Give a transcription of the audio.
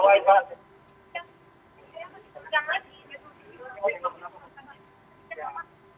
bisa pak pak terno